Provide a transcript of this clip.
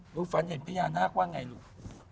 ฝันเห็นพญานาคว่าไงลูก